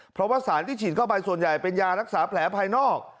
เพราะว่าสารที่ฉีดเข้าไปส่วนใหญ่เป็นยารักษาแผลภายนอก